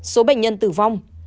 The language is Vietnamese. ba số bệnh nhân tử vong